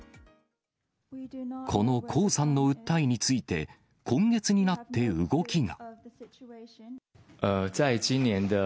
この江さんの訴えについて、今月になって動きが。